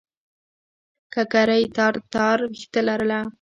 ککرۍ تار تار وېښته لرله.